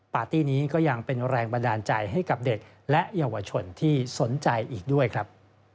ปาร์ตี้นี้ก็ยังเป็นแรงบันดาลใจให้กับเด็กและเยาวชนที่สนใจอีกด้วยครับ